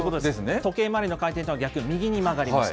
時計回りの回転とは逆、右に曲がりました。